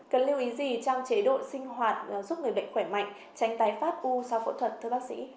cần lưu ý gì trong chế độ sinh hoạt giúp người bệnh khỏe mạnh tránh tái phát u sau phẫu thuật thưa bác sĩ